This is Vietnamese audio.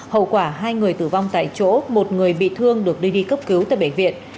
hậu quả hai người tử vong tại chỗ một người bị thương được đưa đi cấp cứu tại bệnh viện